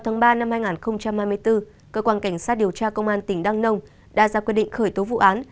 ngày hai mươi sáu tháng ba năm hai nghìn hai mươi bốn cơ quan cảnh sát điều tra công an tỉnh đăng nông đã ra quyết định khởi tố vụ án